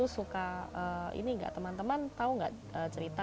suka ini enggak teman teman tahu enggak cerita